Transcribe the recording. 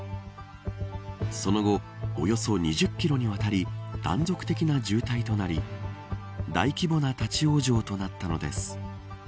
その後、およそ２０キロにわたり断続的な渋滞となり大規模な立ち往生となったのです。